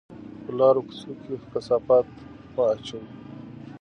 په لارو کوڅو کې کثافات مه اچوئ.